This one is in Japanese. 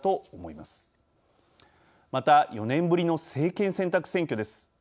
また４年ぶりの政権選択選挙です。